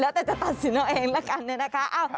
แล้วแต่จะตัดสินเอาเองละกันเนี่ยนะคะ